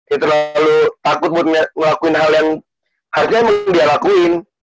dia terlalu takut buat ngelakuin hal yang harusnya emang dia lakuin